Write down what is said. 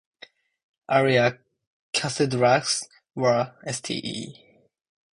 Earlier cathedrals were: Ste.